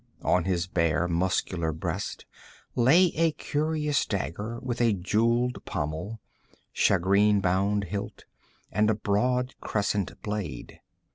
On his bare, muscular breast lay a curious dagger with a jeweled pommel, shagreen bound hilt, and a broad crescent blade.